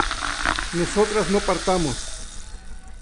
nosotras no partamos